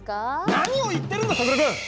何を言っているんださくら君！